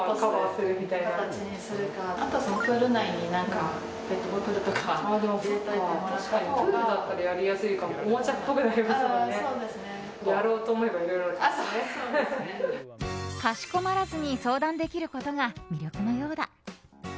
かしこまらずに相談できることが魅力のようだ。